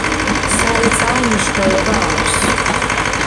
სარეწაო მნიშვნელობა აქვს.